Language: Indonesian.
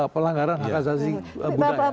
pelanggaran hak asasi budaya